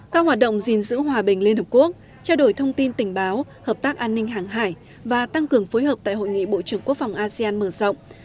các hoạt động gìn giữ hòa bình liên hợp quốc trao đổi thông tin tình báo hợp tác an ninh hàng hải và tăng cường phối hợp tại hội nghị bộ trưởng quốc phòng asean mở rộng